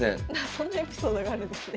そんなエピソードがあるんですね。